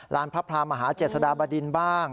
พระพรามหาเจษฎาบดินบ้าง